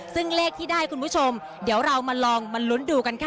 ซึ่งเลขที่ได้คุณผู้ชมเดี๋ยวเรามาลองมาลุ้นดูกันค่ะ